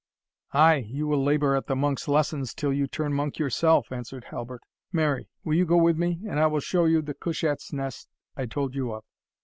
"Ay! you will labour at the monk's lessons till you turn monk yourself," answered Halbert. "Mary, will you go with me, and I will show you the cushat's nest I told you of?"